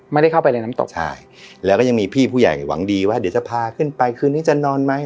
ไม่ได้เข้าไปในน้ำตกใช่แล้วก็ยังมีพี่ผู้ใหญ่หวังดีว่าเดี๋ยวจะพาขึ้นไปคืนนี้จะนอนไหม